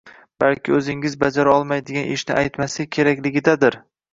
balki o‘zingiz bajara olmaydigan ishni aytmaslik kerakligidadir.